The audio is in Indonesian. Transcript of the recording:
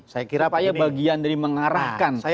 saya kira pak ya bagian dari mengarahkan